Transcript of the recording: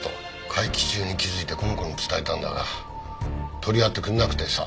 会期中に気づいてこの子に伝えたんだが取り合ってくれなくてさ。